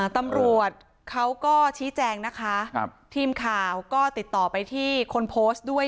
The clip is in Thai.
ตำรวจเขาก็ชี้แจงนะคะทีมข่าวก็ติดต่อไปที่คนโพสต์ด้วย